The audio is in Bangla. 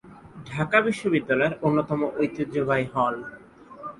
ঢাকা বিশ্ববিদ্যালয়ের অন্যতম ঐতিহ্যবাহী হল।